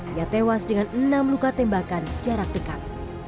ia tewas dengan enam luka tembakan jarak dekat